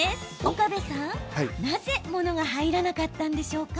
岡部さん、なぜ物が入らなかったんでしょうか？